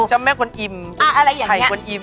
เจ้าแม่คนอิ่มไข่คนอิ่ม